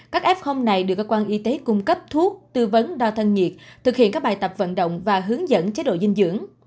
các f này được cơ quan y tế cung cấp thuốc tư vấn đo thân nhiệt thực hiện các bài tập vận động và hướng dẫn chế độ dinh dưỡng